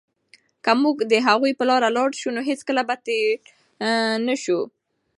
که موږ د هغوی په لاره لاړ شو، نو هېڅکله به تېرو نه شو.